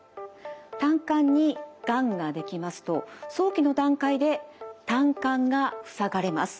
胆管にがんが出来ますと早期の段階で胆管が塞がれます。